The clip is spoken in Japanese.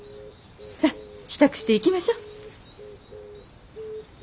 さあ支度して行きましょう。